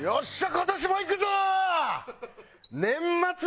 今年もいくぞー！